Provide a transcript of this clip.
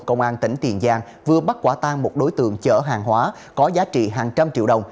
công an tỉnh tiền giang vừa bắt quả tang một đối tượng chở hàng hóa có giá trị hàng trăm triệu đồng